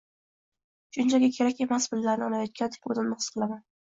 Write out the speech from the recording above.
shunchaki kerak emas pullarni olayotgandek o‘zimni his qilganman.